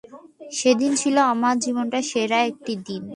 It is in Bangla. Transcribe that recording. সেদিনটা ছিল আমার জীবনের সেরা একটি দিন!